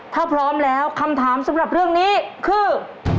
ถ้าพร้อมแล้วคำถามสำหรับเรื่องนี้คือ